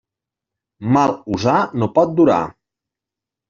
Mal usar no pot durar.